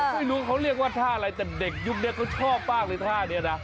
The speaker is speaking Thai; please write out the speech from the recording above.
ไม่รู้ว่าเขาเรียกว่าท่าอะไรแต่เด็กยุคนี้เขาชอบมากเลยท่านี้นะ